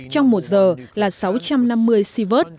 trong một giờ là sáu trăm năm mươi sv